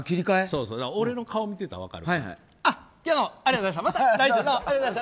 俺の顔見てたら分かる。